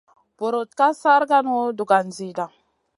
Vurutn ka sarkanu dugan zida.